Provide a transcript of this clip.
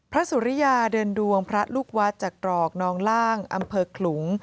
พระสุรรยาเดินดวงพระลูกวัดจากรงนร่างอำเภอคลุง